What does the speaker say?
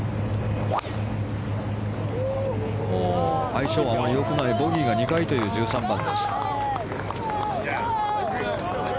相性はあまりよくないボギーが２回という１３番です。